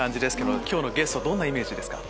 今日のゲストどんなイメージですか？